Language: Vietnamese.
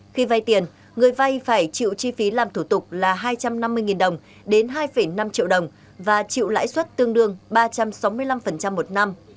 khi vay tiền người vay phải chịu chi phí làm thủ tục là hai trăm năm mươi đồng đến hai năm triệu đồng và chịu lãi suất tương đương ba trăm sáu mươi năm một năm